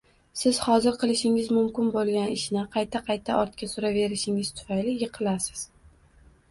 Siz hozir qilishingiz mumkin bo’lgan ishni qayta-qayta ortga suraverishingiz tufayli yiqilasiz